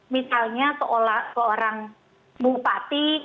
misalnya seorang bupati